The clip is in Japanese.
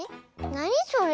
なにそれ？